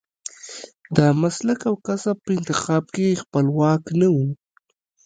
د مسلک او کسب په انتخاب کې خپلواک نه و.